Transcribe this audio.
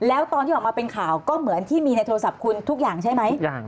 แล้วตอนที่ออกมาเป็นข่าวก็เหมือนที่มีในโทรศัพท์คุณทุกอย่างใช่ไหม